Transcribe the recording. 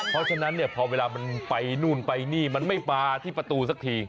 เพราะฉะนั้นเนี่ยพอเวลามันไปนู่นไปนี่มันไม่มาที่ประตูสักที